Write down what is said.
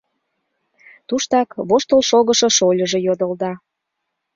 Туштак воштыл шогышо шольыжо йодылда: